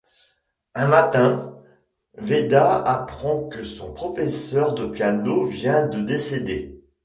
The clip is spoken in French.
Un matin, Veda apprend que son professeur de piano vient de décéder.